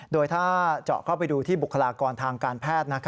โดยถ้าเจาะเข้าไปดูที่บุคลากรทางการแพทย์